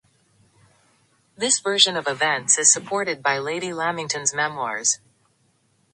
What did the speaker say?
This version of events is supported by Lady Lamington's memoirs.